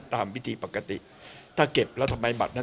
ตามวิธีปกติถ้าเก็บแล้วทำไมบัตรนั้น